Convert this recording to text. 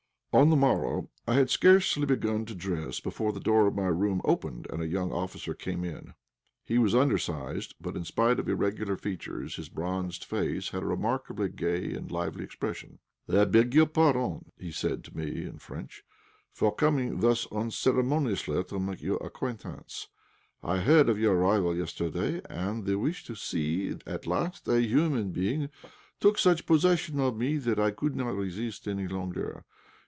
On the morrow, I had scarcely begun to dress before the door of my room opened, and a young officer came in. He was undersized, but, in spite of irregular features, his bronzed face had a remarkably gay and lively expression. "I beg your pardon," said he to me in French, "for coming thus unceremoniously to make your acquaintance. I heard of your arrival yesterday, and the wish to see at last a human being took such possession of me that I could not resist any longer.